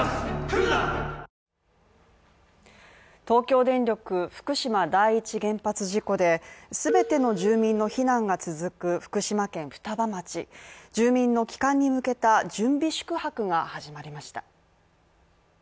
東京電力福島第１原発事故で全ての住民の避難が続く福島県双葉町住民の帰還に向けた準備宿泊が始まりました。